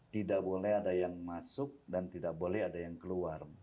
tidak boleh ada yang masuk dan tidak boleh ada yang keluar